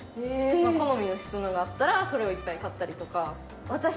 好みの質のがあったらそれをいっぱい買ったりとか。